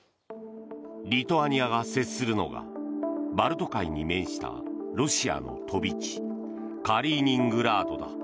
リトアニアが接するのがバルト海に面したロシアの飛び地カリーニングラードだ。